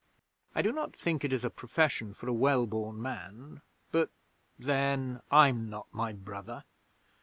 I do not think it is a profession for a well born man, but then I'm not my brother.